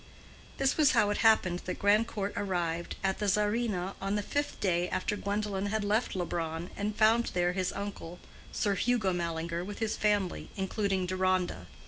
This was how it happened that Grandcourt arrived at the Czarina on the fifth day after Gwendolen had left Leubronn, and found there his uncle, Sir Hugo Mallinger, with his family, including Deronda.